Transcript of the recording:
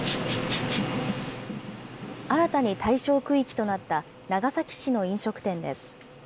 新たに対象区域となった長崎市の飲食店です。